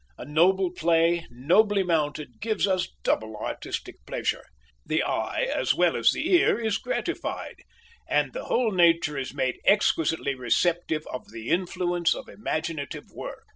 A noble play, nobly mounted, gives us double artistic pleasure. The eye as well as the ear is gratified, and the whole nature is made exquisitely receptive of the influence of imaginative work.